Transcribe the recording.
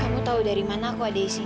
kamu tahu dari mana aku ada di sini